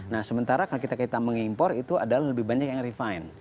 nah sementara kalau kita mengimpor itu adalah lebih banyak yang refine